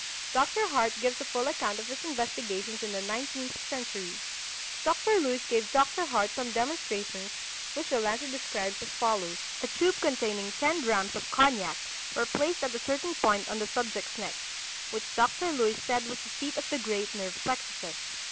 Dr. Hart gives a full account of his investigations in the Nineteenth Century. Dr. Luys gave Dr. Hart some demonstrations, which the latter describes as follows: "A tube containing ten drachms of cognac were placed at a certain point on the subject's neck, which Dr. Luys said was the seat of the great nerve plexuses.